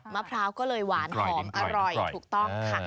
มะพร้าวก็เลยหวานหอมอร่อยถูกต้องค่ะ